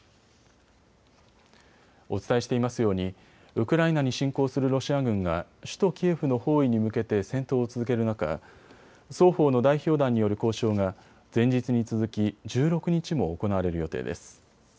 お伝えしていますようにウクライナに侵攻するロシア軍が首都キエフの包囲に向けて戦闘を続ける中、双方の代表団による交渉が前日に続き１６日も行われる予定です。